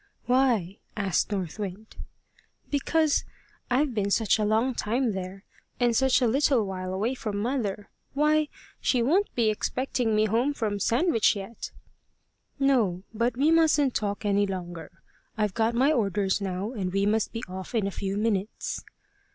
"Why?" asked North Wind. "Because I've been such a long time there, and such a little while away from mother. Why, she won't be expecting me home from Sandwich yet!" "No. But we mustn't talk any longer. I've got my orders now, and we must be off in a few minutes."